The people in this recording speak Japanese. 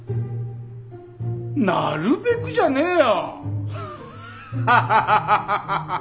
「なるべく」じゃねえよ！